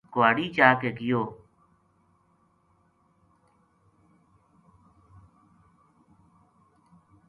کُہاڑی چا کے گیو